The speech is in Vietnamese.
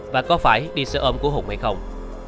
và có phải đi xe ôm của hùng hay không